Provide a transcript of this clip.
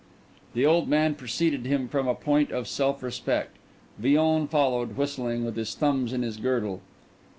The old man preceded him from a point of self respect; Villon followed, whistling, with his thumbs in his girdle.